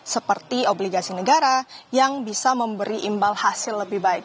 seperti obligasi negara yang bisa memberi imbal hasil lebih baik